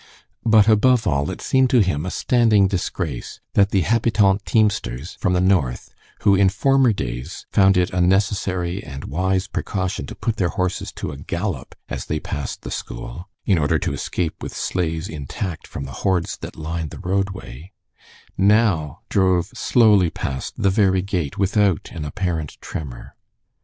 But above all, it seemed to him a standing disgrace that the habitant teamsters from the north, who in former days found it a necessary and wise precaution to put their horses to a gallop as they passed the school, in order to escape with sleighs intact from the hordes that lined the roadway, now drove slowly past the very gate without an apparent tremor.